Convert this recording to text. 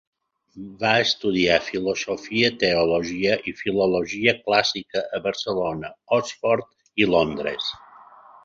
Va estudiar Filosofia, Teologia i Filologia Clàssica a Barcelona, Oxford i Londres.